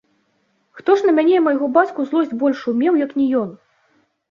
Хто ж на мяне і майго бацьку злосць большую меў, як не ён!